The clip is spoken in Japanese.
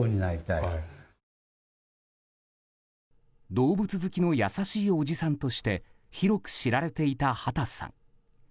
動物好きの優しいおじさんとして広く知られていた畑さん。